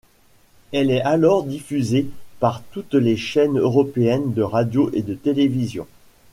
Elle est alors diffusée par toutes les chaines européennes de radio et de télévision.